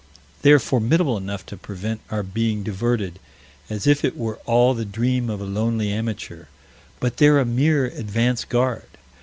They are formidable enough to prevent our being diverted, as if it were all the dream of a lonely amateur but they're a mere advance guard.